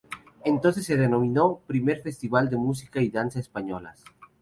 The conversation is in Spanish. Entonces se denominó "Primer Festival de Música y Danza Españolas".